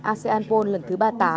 asean napron lần thứ ba mươi tám